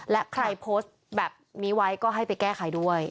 และใครโพสต์แบบนี้ไว้ก็ให้ไปแก้ไขด้วย